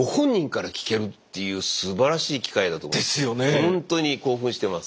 ほんとに興奮してます。